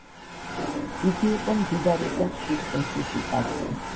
იგი იყო მდიდარი და ღვთის მოშიში კაცი